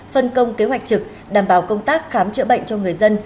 phân công kế hoạch trực đảm bảo công tác khám chữa bệnh cho người dân